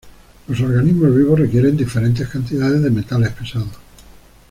Los organismos vivos requieren diferentes cantidades de metales pesados.